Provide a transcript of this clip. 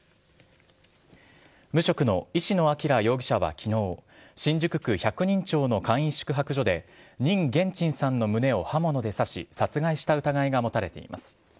無職の石野彰容疑者は昨日新宿区百人町の簡易宿泊所で任元珍さんの胸を刃物で刺し殺害した疑いが持たれています。